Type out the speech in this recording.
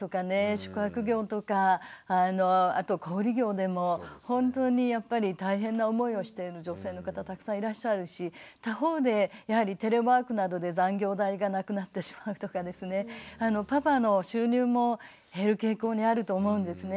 宿泊業とかあと小売業でも本当にやっぱり大変な思いをしている女性の方たくさんいらっしゃるし他方でやはりテレワークなどで残業代がなくなってしまうとかですねパパの収入も減る傾向にあると思うんですね。